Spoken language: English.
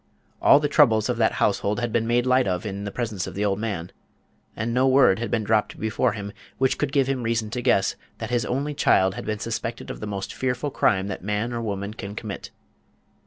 All the troubles of that household had been made light of in the presence of the old man, and no word had been dropped before him which could give him reason to guess that his only child had been suspected of the most fearful crime that man or woman can commit.